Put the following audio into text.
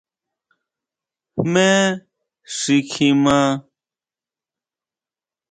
¿Jmé xi kjima?